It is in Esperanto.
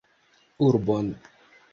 Urbon.